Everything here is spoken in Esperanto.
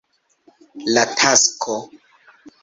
La Tasko.